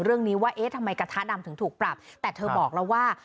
เรื่องนี้ว่าเอ๊ะทำไมกระทะดำถึงถูกปรับแต่เธอบอกแล้วว่า